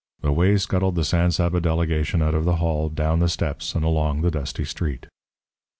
Away scuttled the San Saba delegation out of the hall, down the steps, along the dusty street.